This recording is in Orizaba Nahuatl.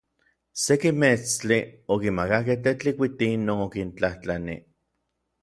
Seki meetstli okimakakej Tetlikuiti non okintlajtlani.